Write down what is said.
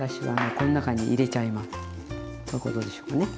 こういうことでしょうかね。